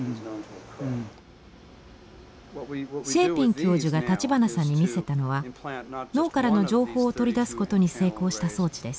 シェーピン教授が立花さんに見せたのは脳からの情報を取り出すことに成功した装置です。